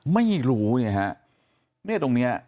ไม่รู้เนี่ยฮะ